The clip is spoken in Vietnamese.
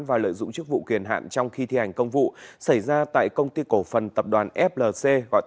và lợi dụng chức vụ quyền hạn trong khi thi hành công vụ xảy ra tại công ty cổ phần tập đoàn flc